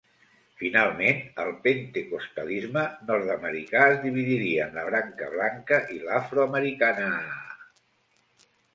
Finalment, el pentecostalisme nord-americà es dividiria en la branca blanca i l'afroamericanaaaa.